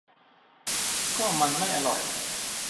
ก็มันไม่อร่อย